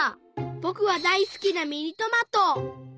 ぼくはだいすきなミニトマト。